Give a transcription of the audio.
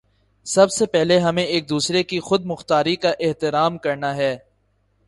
سب سے پہلے ہمیں ایک دوسرے کی خود مختاری کا احترام کرنا ہے۔